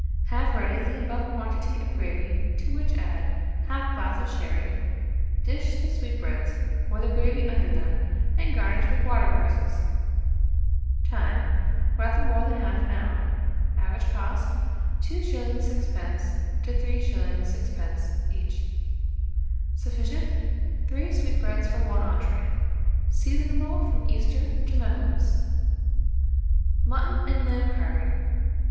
Have ready the above quantity of gravy, to which add 1/2 glass of sherry; dish the sweetbreads, pour the gravy under them, and garnish with water cresses. Time. Rather more than 1/2 hour. Average cost, 2s. 6d. to 3s. 6d. each. Sufficient 3 sweetbreads for 1 entrée. Seasonable from Easter to Michaelmas. MUTTON AND LAMB CARVING.